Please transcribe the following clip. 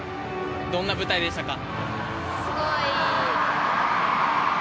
どんな舞台でしたか？